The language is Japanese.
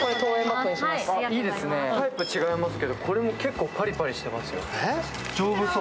タイプ違いますけど、これも結構パリパリしてますよ、丈夫そう。